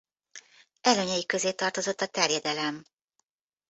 Előnyei közé tartozott a terjedelem.